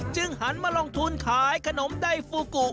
จึงหันมาลองทุนขายขนมได้ฟูกุ